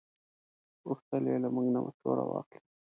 غوښتل یې له موږ نه مشوره واخلي.